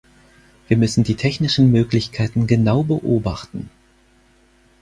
Wir müssen die technischen Möglichkeiten genau beobachten.